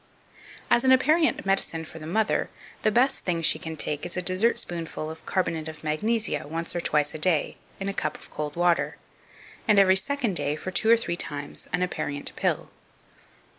2529. As an aperient medicine for the mother, the best thing she can take is a dessert spoonful of carbonate of magnesia once or twice a day, in a cup of cold water; and every second day, for two or three times, an aperient pill.